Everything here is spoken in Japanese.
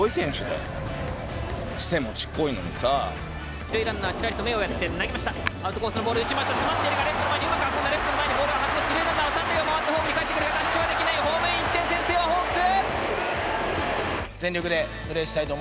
１塁ランナーチラリと目をやって投げましたアウトコースのボール打ちました詰まっているかレフトの前にうまく運んだレフトの前でボールは弾む２塁ランナーは３塁を回ってホームにかえってくるタッチはできないホームイン１点先制はホークス！